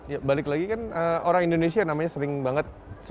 ya balik lagi kan orang indonesia namanya sering banget